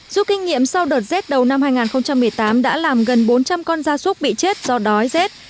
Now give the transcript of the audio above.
dù kinh nghiệm sau đợt rét đầu năm hai nghìn một mươi tám đã làm gần bốn trăm linh con gia súc bị chết do đói rét